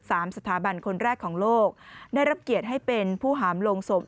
สามสถาบันคนแรกของโลกได้รับเกียรติให้เป็นผู้หามลงศพ